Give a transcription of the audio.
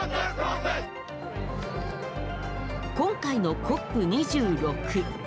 今回のＣＯＰ２６。